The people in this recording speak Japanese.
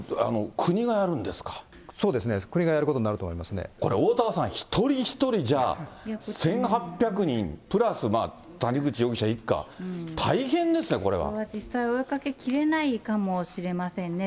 そうですね、国がやることにこれ、おおたわさん、一人一人、じゃあ、１８００人プラス谷口容疑者いっか、大変ですね、こ実際追いかけきれないかもしれませんね。